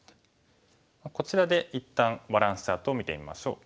こちらで一旦バランスチャートを見てみましょう。